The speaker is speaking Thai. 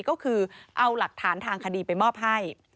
ก็คือเอาหลักฐานทางคดีไปมอบให้